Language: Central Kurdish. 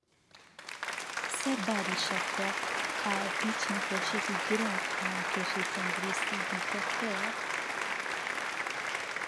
سەرباری شەکره، ئایا هیچ نەخۆشیەکی گرنگ یان کێشەی تەندروستی دیکەت هەیە؟